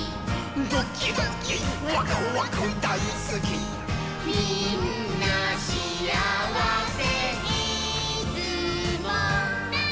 「ドキドキワクワクだいすき」「みんなしあわせ」「いつも」